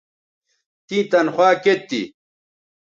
تیں تنخوا کیئت تھی